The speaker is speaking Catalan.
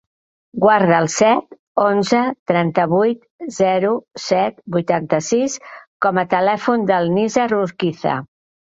Guarda el set, onze, trenta-vuit, zero, set, vuitanta-sis com a telèfon del Nizar Urquiza.